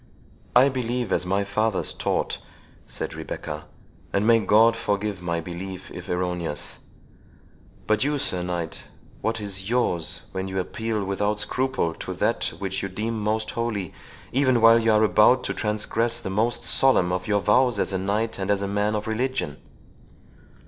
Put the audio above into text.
"I believe as my fathers taught," said Rebecca; "and may God forgive my belief if erroneous! But you, Sir Knight, what is yours, when you appeal without scruple to that which you deem most holy, even while you are about to transgress the most solemn of your vows as a knight, and as a man of religion?"